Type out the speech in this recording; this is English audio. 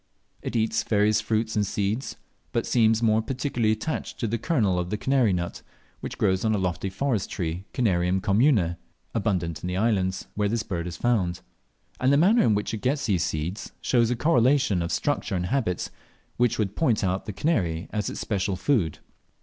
It eats various fruits and seeds, but seems more particularly attached to the kernel of the kanary nut, which grows on a lofty forest tree (Canarium commune), abundant in the islands where this bird is found; and the manner in which it gets at these seeds shows a correlation of structure and habits, which would point out the "kanary" as its special food.